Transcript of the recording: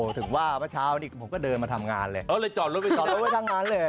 อ๋อถึงว่าเมื่อเช้าผมก็เดินมาทำงานเลยจอดรถไว้ทำงานเลย